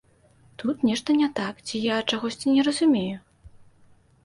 Тут нешта не так ці я чагосьці не разумею?